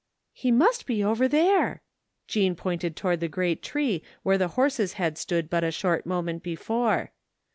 "He must be over there." Jean pointed toward the great tree where the horses had stood but a short moment before.